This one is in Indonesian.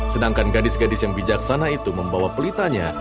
sedangkan gadis gadis yang bijaksana itu membawa pelitanya